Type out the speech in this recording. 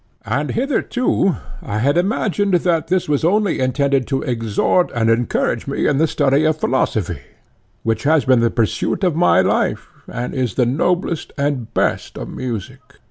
And hitherto I had imagined that this was only intended to exhort and encourage me in the study of philosophy, which has been the pursuit of my life, and is the noblest and best of music.